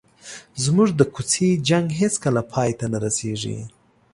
زموږ د کوڅې جنګ هېڅکله پای ته نه رسېږي.